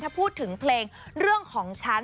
ถ้าพูดถึงเพลงเรื่องของฉัน